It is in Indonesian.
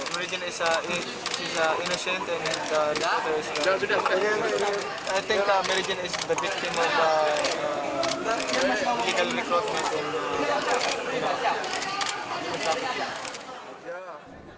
mereka adalah orang yang berpikir